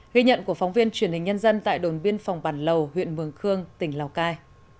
ghi nhận của phóng viên truyền hình nhân dân tại đồn biên phòng bản lầu huyện mường khương tỉnh lào cai